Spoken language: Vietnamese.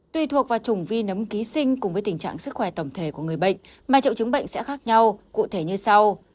tùy thuộc vào chủng vi nấm ký sinh cùng với tình trạng sức khỏe tổng thể của người bệnh mà triệu chứng bệnh sẽ khác nhau cụ thể như sau